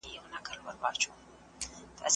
هغه میتودونه چي نوي دي باید په تولید کي وکارول سي.